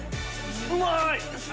うまい！